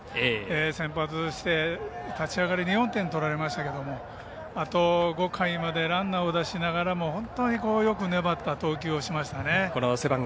先発して立ち上がりに４点取られましたけれども５回までランナーを出しながらも本当によく粘った投球をしました。